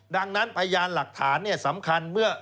ดังนั้นพยานหลักฐานสำคัญเมื่อ